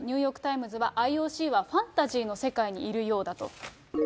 ニューヨーク・タイムズは、ＩＯＣはファンタジーの世界にいるようだと。